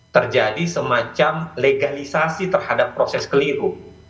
terjadi semacam legalisasi terhadap proses keliru